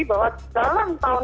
bahwa dalam tahun dua ribu tiga puluh